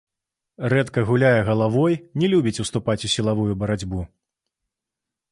Рэдка гуляе галавой, не любіць уступаць у сілавую барацьбу.